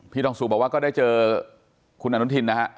พี่ทองสูบบอกว่าก็ได้เจอคุณอานนุทินครับ